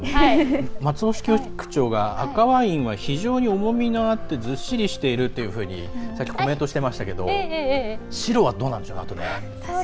松尾支局長が赤ワインは非常に重みがあってずっしりしているというふうにさっきコメントしていましたけれども白はどうでしょう。